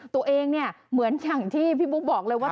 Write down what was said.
ตัวเองเนี่ยเหมือนอย่างที่พี่บุ๊คบอกเลยว่า